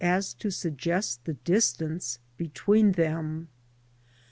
as to suggest the distance between them.